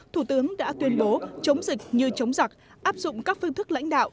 thủ tướng đã tuyên bố chống dịch như chống giặc áp dụng các phương thức lãnh đạo